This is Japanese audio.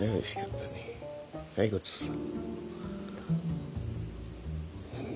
はいごちそうさん。